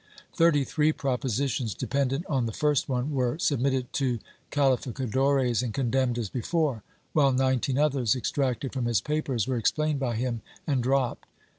Thirty three propositions, dependent on the first one, w^ere sub mitted to calificadores and condemned as before, while nineteen others, extracted from his papers, were explained by him and dropped.